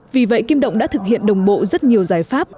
vì vậy kim động đã thực hiện đồng bộ rất nhiều giải pháp